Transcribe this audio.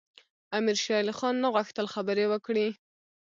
امیر شېرعلي خان نه غوښتل خبرې وکړي.